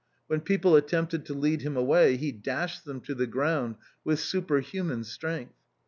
When people attempted to lead him away, he dashed them to the ground with superhuman strength.